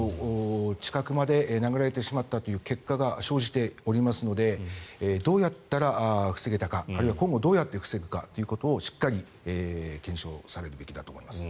近くまで投げられてしまったという結果が生じておりますのでどうやったら防げたかあるいは今後、どうやって防ぐかをしっかり検証されるべきだと思います。